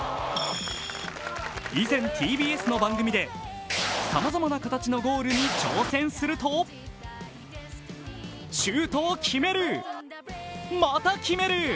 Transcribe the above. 以前、ＴＢＳの番組でさまざまな形のゴールに挑戦するとシュートを決める、また決める。